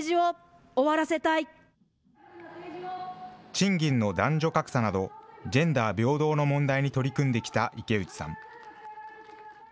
賃金の男女格差など、ジェンダー平等の問題に取り組んできた、池内さん。